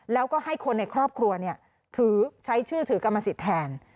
แล้วก็ให้คนในครอบครัวถือใช้ชื่อถือกรรมสิทธิ์แทน